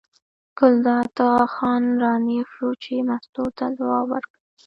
ګلداد خان را نېغ شو چې مستو ته ځواب ورکړي.